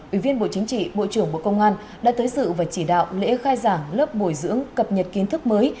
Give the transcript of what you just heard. ủy viên bộ chính trị bộ trưởng bộ công an đã tới sự và chỉ đạo lễ khai giảng lớp bồi dưỡng cập nhật kiến thức mới